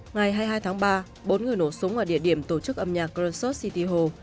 ngày hai mươi hai tháng ba bốn người nổ súng ở địa điểm tổ chức âm nhạc khrushchev city hall